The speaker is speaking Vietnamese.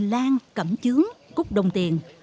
lan cẩm chướng cúc đồng tiền